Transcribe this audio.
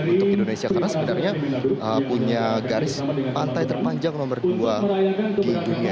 untuk indonesia karena sebenarnya punya garis pantai terpanjang nomor dua di dunia